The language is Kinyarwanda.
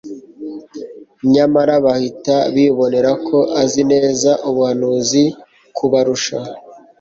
nyamara bahita bibonera ko azi neza ubuhanuzi kubarusha.